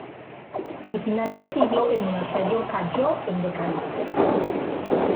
Al final de siglo el monasterio calló en decadencia.